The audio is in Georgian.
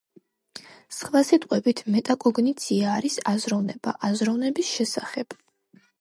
სხვა სიტყვებით, მეტაკოგნიცია არის აზროვნება აზროვნების შესახებ.